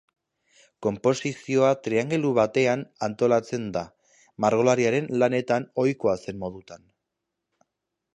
Konposizioa triangelu batean antolatzen da, margolariaren lanetan ohikoa zen modutan.